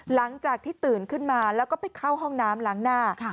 หลังจากที่ตื่นขึ้นมาแล้วก็ไปเข้าห้องน้ำล้างหน้า